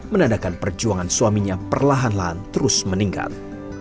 menandakan perjuangan suaminya perlahan lahan terus meningkat